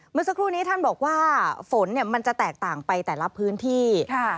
เมื่อสักครู่นี้ท่านบอกว่าฝนมันจะแตกต่างไปแต่ละพื้นที่